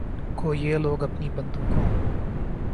کو یہ لوگ اپنی بندوقوں